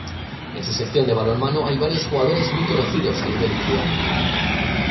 En su sección de balonmano hay varios jugadores muy conocidos a nivel mundial.